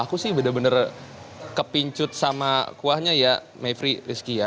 aku sih benar benar kepincut sama kuahnya ya mayfrey rizky ya